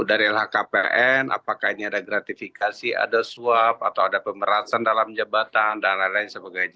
dari lhkpn apakah ini ada gratifikasi ada suap atau ada pemerasan dalam jabatan dan lain lain sebagainya